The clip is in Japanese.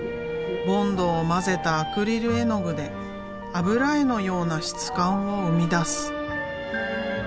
ボンドを混ぜたアクリル絵の具で油絵のような質感を生み出す。